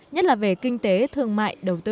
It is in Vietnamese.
nhất là về kinh tế thương mại đầu tư